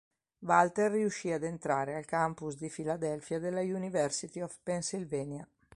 Walter riuscì ad entrare al campus di Filadelfia della University of Pennsylvania.